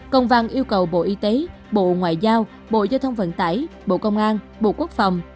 công văn yêu cầu bộ y tế bộ ngoại giao bộ giao thông vận tải bộ công an bộ quốc phòng